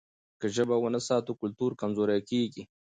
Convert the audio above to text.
که ژبه ونه ساتو کلتور کمزوری کېږي.